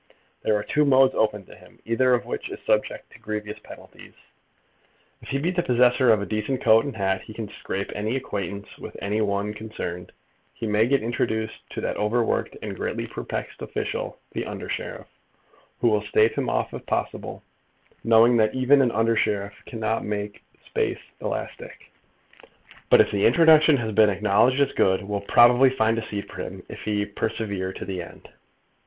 There are two modes open to him, either of which is subject to grievous penalties. If he be the possessor of a decent coat and hat, and can scrape any acquaintance with any one concerned, he may get introduced to that overworked and greatly perplexed official, the under sheriff, who will stave him off if possible, knowing that even an under sheriff cannot make space elastic, but, if the introduction has been acknowledged as good, will probably find a seat for him if he persevere to the end.